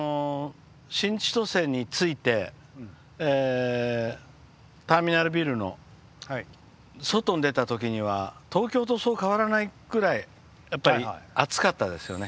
新千歳についてターミナルビルの外に出たときには東京と、そう変わらないぐらいやっぱり、暑かったですよね。